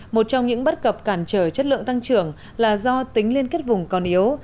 một trong những bắt gặp cản trở chất lượng tăng trưởng là do tính liên kết vùng còn yếu